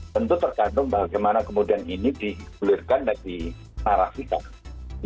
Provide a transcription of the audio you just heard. tentu tergantung bagaimana kemudian ini dikulirkan ke dalam media sosial